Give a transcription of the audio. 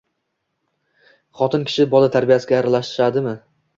Xotin kishi bola tarbiyasiga aralashdimi